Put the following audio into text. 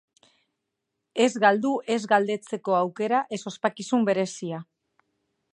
Ez galdu ez galdetzeko aukera ez ospakizun berezia!